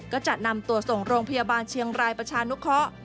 ก็จะนำตัวส่งโรงพยาบาลเชียงรายประชานุเคาะ